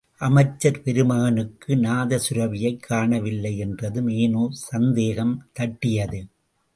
அமைச்சர் பெருமகனுக்கு, நாதசுரபியைக் காணவில்லை என்றதும், ஏனோ சந்தேகம் தட்டியது.